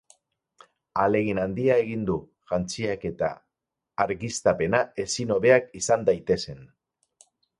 Ahalegin handia egin du jantziak eta argiztapena ezin hobeak izan daitezen.